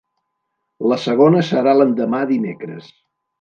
La segona serà l’endemà dimecres.